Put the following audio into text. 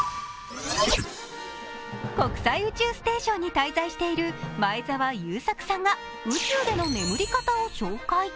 国際宇宙ステーションに滞在している前澤友作さんが宇宙での眠り方を紹介。